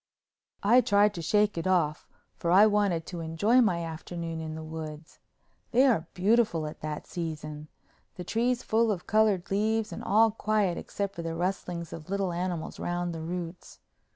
I tried to shake it off for I wanted to enjoy my afternoon in the woods. They are beautiful at that season, the trees full of colored leaves, and all quiet except for the rustlings of little animals round the roots.